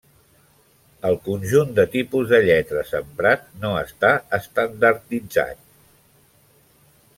El conjunt de tipus de lletres emprat no està estandarditzat.